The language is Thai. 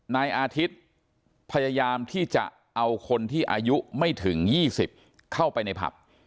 นายอาทิตย์พยายามที่จะเอาคนที่อายุไม่ถึง๒๐เข้าไปในผับ